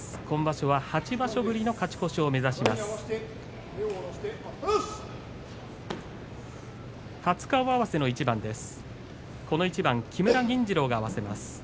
今場所は８場所ぶりの勝ち越しを目指します。